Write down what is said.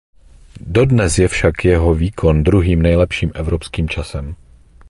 Dodnes je však jeho výkon druhým nejlepším evropským časem.